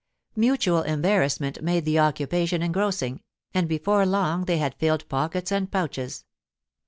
Mutual embarrassment made the occupation engrossing, and before long they had filled pockets and pouches.